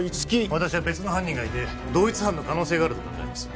私は別の犯人がいて同一犯の可能性があると考えます